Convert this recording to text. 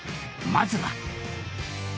［まずは］